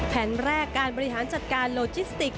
แผนแรกการบริหารจัดการโลจิสติก